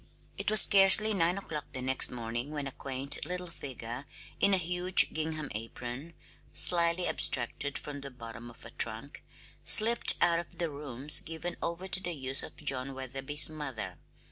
It was scarcely nine o'clock the next morning when a quaint little figure in a huge gingham apron (slyly abstracted from the bottom of a trunk) slipped out of the rooms given over to the use of John Wetherby's mother.